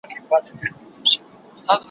زه به اوږده موده د درسونو يادونه کړې وم!.